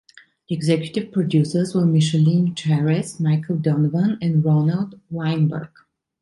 The executive producers were Micheline Charest, Michael Donovan, and Ronald Weinberg.